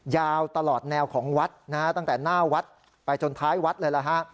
ยาวตลอดแนวของวัดนะฮะตั้งแต่หน้าวัดไปจนท้ายวัดเลยล่ะฮะ